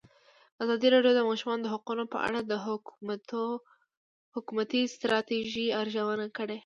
ازادي راډیو د د ماشومانو حقونه په اړه د حکومتي ستراتیژۍ ارزونه کړې.